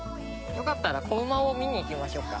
よかったら子馬を見に行きましょうか。